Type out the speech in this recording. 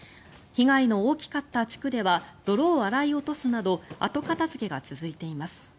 被害の大きかった地区では泥を洗い落とすなど後片付けが続いています。